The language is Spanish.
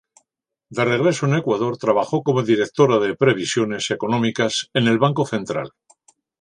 De regreso en Ecuador trabajó como directora de previsiones económicas en el Banco Central.